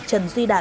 trần duy đăng